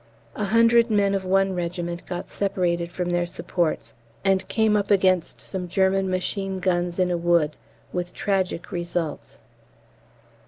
A hundred men of one regiment got separated from their supports and came up against some German machine guns in a wood with tragic results.